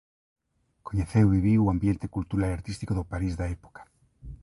Coñeceu e viviu o ambiente cultural e artístico do París da época.